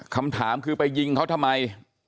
คำถามคือไปยิงเขาทำไม